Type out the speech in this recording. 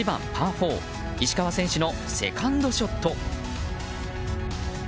４石川選手のセカンドショット。